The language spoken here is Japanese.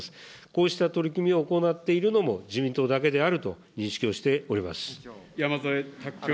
こうした取り組みを行っているのも、自民党だけであると認識をし山添拓君。